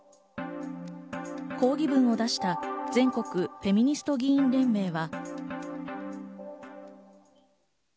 抗議文を出した、全国フェミニスト議員連盟は。